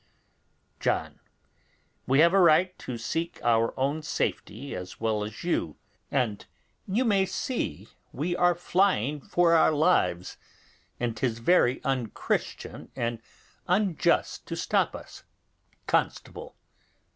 John. We have a right to seek our own safety as well as you, and you may see we are flying for our lives: and 'tis very unchristian and unjust to stop us. Constable.